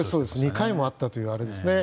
２回もあったというものですね。